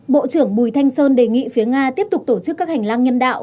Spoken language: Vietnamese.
bộ trưởng bùi thanh sơn đề nghị phía nga tiếp tục tổ chức các hành lang nhân đạo